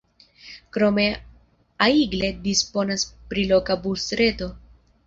Krome Aigle disponas pri loka busreto.